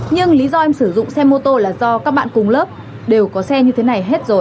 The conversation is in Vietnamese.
nhưng lý do em sử dụng xe mô tô là do các bạn cùng lớp đều có xe như thế này hết rồi